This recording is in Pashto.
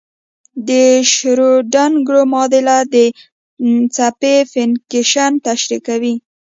د شروډنګر معادله د څپې فنکشن تشریح کوي.